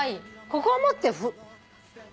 ここを持って。